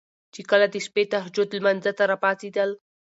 چې کله د شپې تهجد لمانځه ته را پاڅيدل